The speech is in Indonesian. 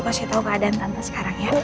kasih tau keadaan tante sekarang ya